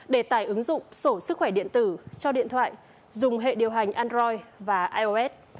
để tải ứng dụng sổ sức khỏe điện tử cho điện thoại dùng hệ điều hành android và ios